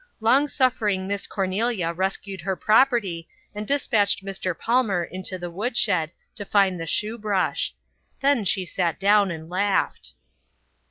Long suffering Miss Cornelia rescued her property and despatched Mr. Palmer into the woodshed to find the shoe brush. Then she sat down and laughed.